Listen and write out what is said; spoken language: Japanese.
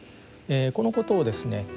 このことをですね